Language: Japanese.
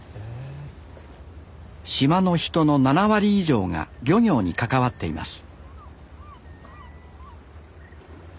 島の人の７割以上が漁業に関わっています